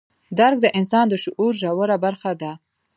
درک د انسان د شعور ژوره برخه ده.